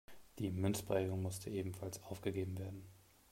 Die Münzprägung musste ebenfalls aufgegeben werden.